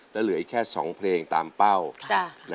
แล้วเหลืออีกแค่๒เพลงตามเป้า